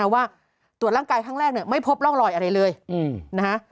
ว่าตรวจร่างกายครั้งแรกเนี่ยไม่พบร่องรอยอะไรเลยนะฮะ